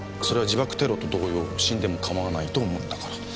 それは自爆テロと同様死んでも構わないと思ったから。